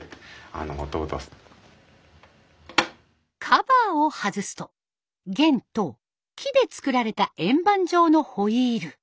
カバーを外すと弦と木で作られた円盤状のホイール。